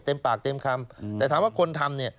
ปากเต็มคำแต่ถามว่าคนทำเนี่ย